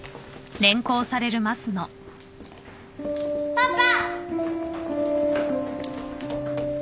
・パパ！